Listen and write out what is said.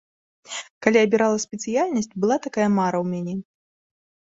Калі абірала спецыяльнасць, была такая мара ў мяне.